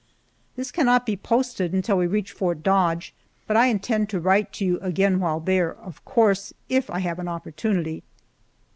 This cannot be posted until we reach Fort Dodge, but I intend to write to you again while there, of course, if I have an opportunity.